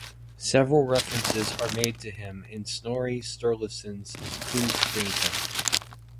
Several references are made to him in Snorri Sturluson's Heimskringla.